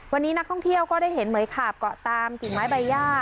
วันนี้นักท่องเที่ยวก็ได้เห็นเหมือยขาบเกาะตามกิ่งไม้ใบย่า